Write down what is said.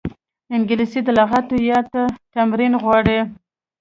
انګلیسي د لغاتو یاد ته تمرین غواړي